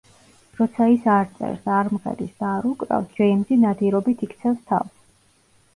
როცა ის არ წერს, არ მღერის და არ უკრავს, ჯეიმზი ნადირობით იქცევს თავს.